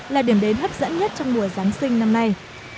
là điểm đến hấp dẫn nhất trong mùa giáng sinh năm nay